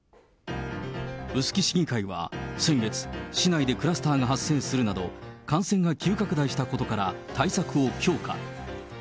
臼杵市議会は先月、市内でクラスターが発生するなど感染が急拡大したことから、対策を強化。